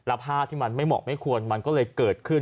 แล้วภาพที่มันไม่เหมาะไม่ควรมันก็เลยเกิดขึ้น